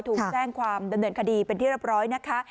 ถูกแจ้งความดำเนินคดีเป็นที่เรียบร้อยนะคะ